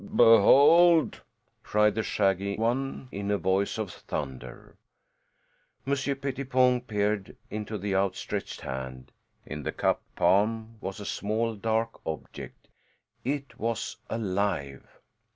"Behold!" cried the shaggy one in a voice of thunder. Monsieur Pettipon peered into the outstretched hand. In the cupped palm was a small dark object. It was alive.